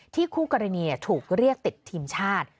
คู่กรณีถูกเรียกติดทีมชาติ